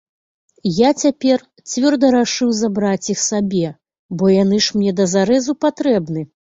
Я цяпер цвёрда рашыў забраць іх сабе, бо яны ж мне да зарэзу патрэбны.